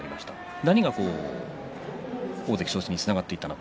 何が大関昇進につながっていったと？